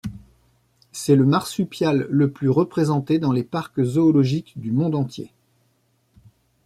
C’est le marsupial le plus représenté dans les parcs zoologiques du monde entier.